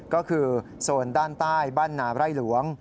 ก็คือโซนด้านใต้บ้านนาไร่หลวง